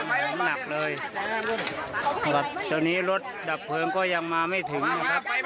คงเอาไม่ทันแล้วความส่วนนี้